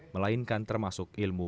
melainkan termasuk ilmu